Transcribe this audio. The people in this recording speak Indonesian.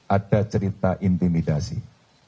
ada cerita yang terkait dengan masyarakat